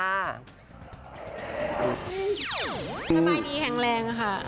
ไม่ไปดีแข็งแรงค่ะ